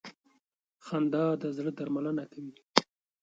خندا د زړه درملنه کوي.